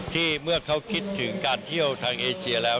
เมื่อเขาคิดถึงการเที่ยวทางเอเชียแล้ว